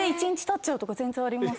全然あります。